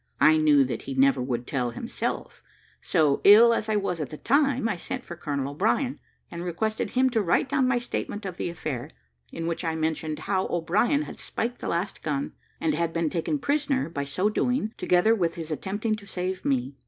I knew that he never would tell himself, so, ill as I was at the time, I sent for Colonel O'Brien, and requested him to write down my statement of the affair, in which I mentioned how O'Brien had spiked the last gun, and had been taken prisoner by so doing, together with his attempting to save me.